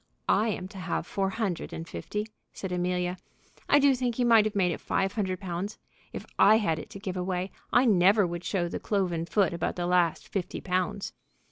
"I am to have four hundred and fifty," said Amelia. "I do think he might have made it five hundred pounds. If I had it to give away, I never would show the cloven foot about the last fifty pounds!"